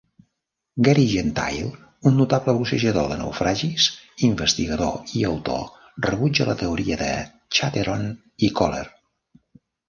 Gary Gentile, un notable bussejador de naufragis, investigador i autor, rebutja la teoria de Chatteron i Kohler.